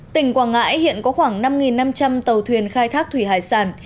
tỉnh quảng ngãi hiện có khoảng năm năm trăm linh tàu thuyền khai thác thủy hải sản